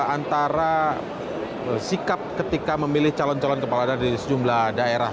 antara sikap ketika memilih calon calon kepala daerah di sejumlah daerah